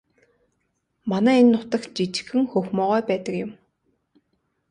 Манай энэ нутагт жижигхэн хөх могой байдаг юм.